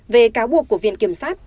về cáo buộc của viện kiểm sát